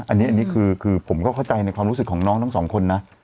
อันนี้คือผมก็เข้าใจในความรู้สึกของน้องทั้งสองคนนะ